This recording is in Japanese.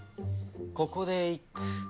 ここで一句。